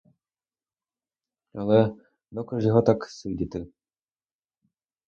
Але доки ж його так сидіти?